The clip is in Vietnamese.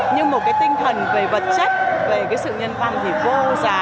nhưng một tinh thần về vật chất về sự nhân văn thì vô giá